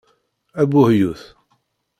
Abuhyut!